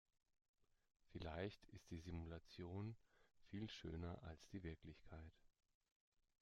Vielleicht ist die Simulation viel schöner als die Wirklichkeit.